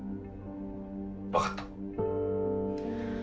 分かった。